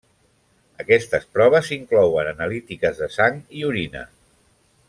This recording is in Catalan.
Aquestes proves inclouen analítiques de sang i orina.